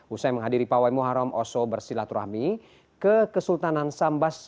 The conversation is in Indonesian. usai menghadiri pawai muharam oso bersilaturahmi ke kesultanan sambas